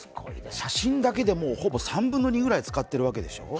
写真だけでほぼ３分の２ぐらい使ってるわけでしょう。